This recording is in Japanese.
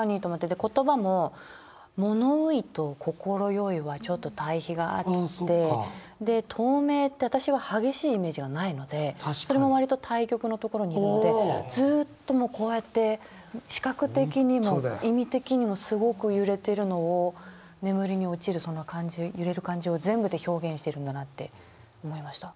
で言葉も「ものうい」と「こころよい」はちょっと対比があってで「透明」って私は激しいイメージはないのでそれも割と対極のところにいるのでずっともうこうやって視覚的にも意味的にもすごく揺れてるのを眠りに落ちるその感じ揺れる感じを全部で表現してるんだなって思いました。